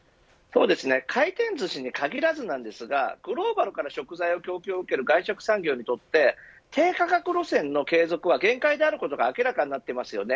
回転寿司にかぎらずグローバルから食材の供給を受ける外食産業にとって低価格路線の継続は限界であることが明らかになっています。